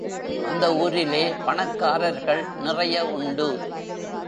அந்த ஊரிலே பணக்காரர்கள் நிறைய உண்டு.